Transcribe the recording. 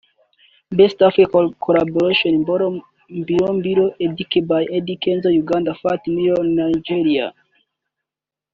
Best African Collaboration – Mbilo Mbilo by Eddy Kenzo (Uganda) ft Niniola (Nigeria)